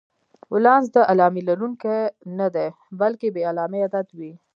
ولانس د علامې لرونکی نه دی، بلکې بې علامې عدد وي.